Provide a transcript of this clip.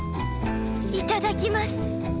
いただきます。